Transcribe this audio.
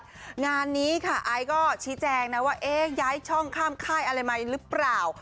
ข้างนั้นนี้ไอซ์ชี้แจ้งว่าย้ายช่องข้ามค่ายอะไรไหมหรือเปล่า